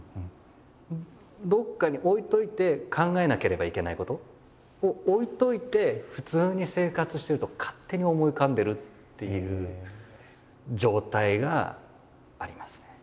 どっかに置いといて考えなければいけないことを置いといて普通に生活してると勝手に思い浮かんでるっていう状態がありますね。